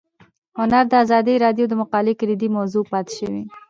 هنر د ازادي راډیو د مقالو کلیدي موضوع پاتې شوی.